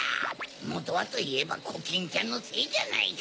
もとはといえばコキンちゃんのせいじゃないか！